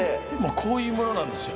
こういうものなんですよ。